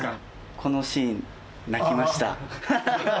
このシーン、泣きました。